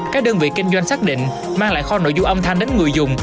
các đơn vị kinh doanh xác định mang lại kho nội dung âm thanh đến người dùng